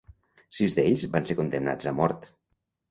Sis d'ells van ser condemnats a mort.